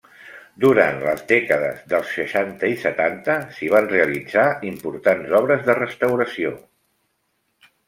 Durant les dècades dels seixanta i setanta s'hi van realitzar importants obres de restauració.